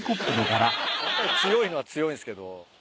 強いのは強いんすけど。